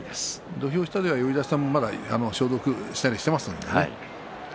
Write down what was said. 土俵下では呼出しさんもまだ消毒したりしてますからね。